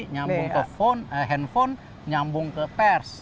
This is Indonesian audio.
nyambung ke handphone nyambung ke pers